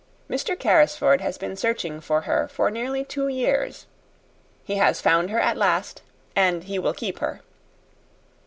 Mr. Carrisford has been searching for her for nearly two years; he has found her at last, and he will keep her."